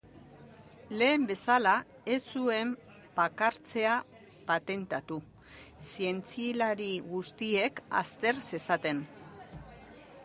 Lehen bezala, ez zuen bakartzea patentatu, zientzialari guztiek azter zezaten.